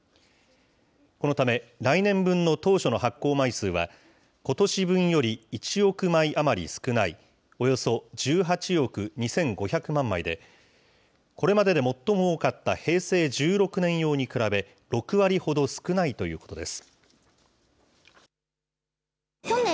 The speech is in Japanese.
このため来年分の当初の発行枚数は、ことし分より１億枚余り少ない、およそ１８億２５００万枚で、これまでで最も多かった平成１６年用に比べ、６割ほど少ないということです。